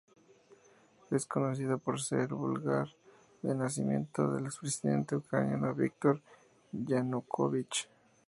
Es conocida por ser el lugar de nacimiento del expresidente ucraniano Víktor Yanukóvich.